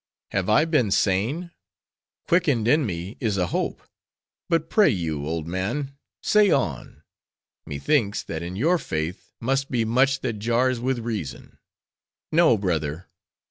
Have I been sane? Quickened in me is a hope. But pray you, old man—say on—methinks, that in your faith must be much that jars with reason." "No, brother!